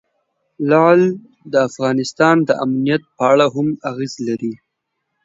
لعل د افغانستان د امنیت په اړه هم اغېز لري.